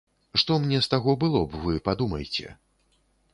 Што мне з таго было б, вы падумайце.